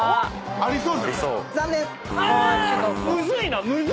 ありそう！